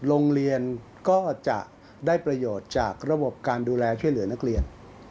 โรงเรียนก็จะได้ประโยชน์จากระบบการดูแลช่วยเหลือนักเรียน